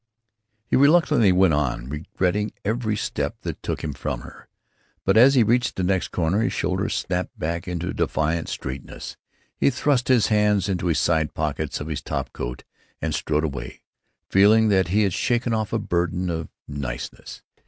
He reluctantly went on, regretting every step that took him from her. But as he reached the next corner his shoulders snapped back into defiant straightness, he thrust his hands into the side pockets of his top coat, and strode away, feeling that he had shaken off a burden of "niceness."